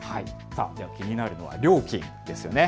気になるのは料金ですよね。